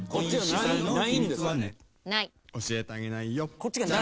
教えてあげないよ。